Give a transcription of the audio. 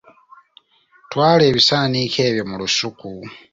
Twala ebisaaniiko ebyo mu lusuku.